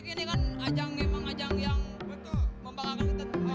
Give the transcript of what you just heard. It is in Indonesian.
ini kan ajang ajang yang membangun kita